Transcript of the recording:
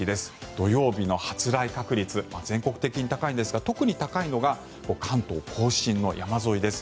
土曜日の発雷確率全国的に高いんですが特に高いのが関東・甲信の山沿いです。